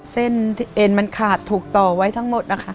เส้นที่เอ็นมันขาดถูกต่อไว้ทั้งหมดนะคะ